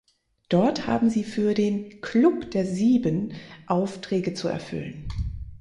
Dort haben sie für den „Club der Sieben“ Aufträge zu erfüllen.